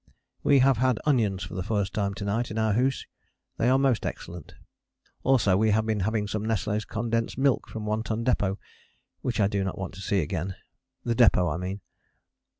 We have had onions for the first time to night in our hoosh they are most excellent. Also we have been having some Nestlé's condensed milk from One Ton Depôt which I do not want to see again, the depôt I mean.